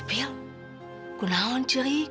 opil kunah ong cerik